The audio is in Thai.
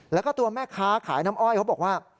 แล้วก็ตัวแม่ค้าขายน้ำอ้อยเขาบอกว่า